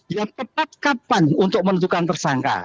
yang tepat kapan untuk menentukan tersangka